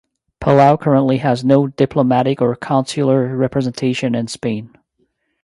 Palau currently has no diplomatic or consular representation in Spain.